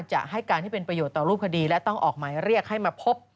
จะให้การที่เป็นประโยชน์ต่อรูปคดีและต้องออกหมายเรียกให้มาพบ